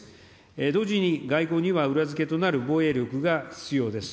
同時に外交には裏付けとなる防衛力が必要です。